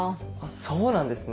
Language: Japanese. そうなんですね。